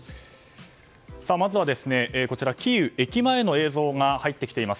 まずはキーウ駅前の映像が入ってきています。